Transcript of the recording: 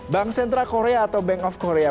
bank sentra korea atau bank of korea